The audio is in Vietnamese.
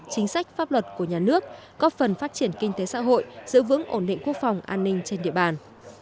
chính sách pháp luật của nhà nước góp phần phát triển kinh tế xã hội giữ vững ổn định quốc phòng an ninh trên địa bàn